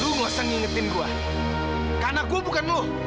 lo gak usah ngingetin gue